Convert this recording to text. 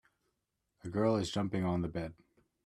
A girl is jumping on the bed.